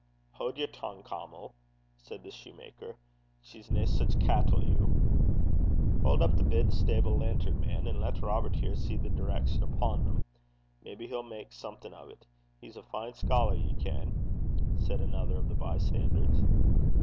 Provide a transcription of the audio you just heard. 'Haud yer tongue, Caumill,' said the shoemaker. 'She's nae sic cattle, yon.' 'Haud up the bit bowat (stable lantern), man, and lat Robert here see the direction upo' them. Maybe he'll mak' something o't. He's a fine scholar, ye ken,' said another of the bystanders.